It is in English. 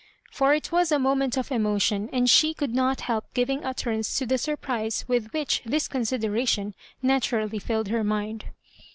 For it was a moment of emotion, and she could not help giving utterance to the surprise with which this consideration naturally filled her mind.